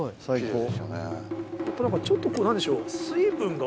ちょっとこう何でしょう。